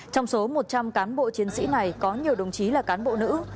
trong số một trăm linh cán bộ chiến sĩ này có nhiều đồng chí là cán bộ nữ